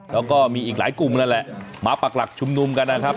แล้วก็มีอีกหลายกลุ่มนั่นแหละมาปักหลักชุมนุมกันนะครับ